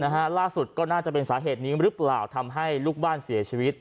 ล่าสุดก็น่าจะเป็นสาเหตุนี้หรือเปล่าทำให้ลูกบ้านเสียชีวิต